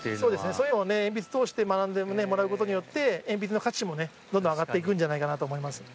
そういうのを鉛筆を通して学んでもらうことによって鉛筆の価値もどんどん上がっていくんじゃないかなと思います。